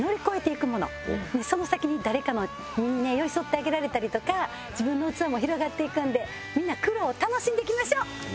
その先に誰かにね寄り添ってあげられたりとか自分の器も広がっていくんでみんな苦労を楽しんでいきましょう！